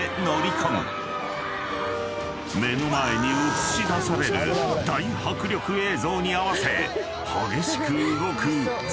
［目の前に映し出される大迫力映像に合わせ激しく動く座席］